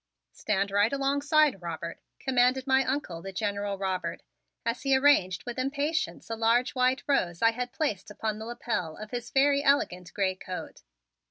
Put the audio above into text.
"Stand right alongside, Robert," commanded my Uncle, the General Robert, as he arranged with impatience a large white rose I had placed upon the lapel of his very elegant gray coat.